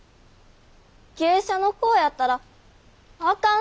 芸者の子やったらあかん？